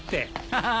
ハハハ